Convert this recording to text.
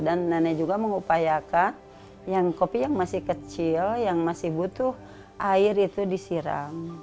dan nenek juga mengupayakan yang kopi yang masih kecil yang masih butuh air itu disiram